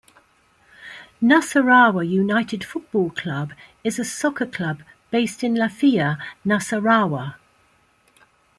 Nasarawa United Football Club is a soccer club based in Lafia, Nasarawa.